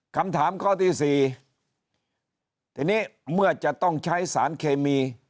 คำถามข้อที่สี่ทีนี้เมื่อจะต้องใช้สารเคมี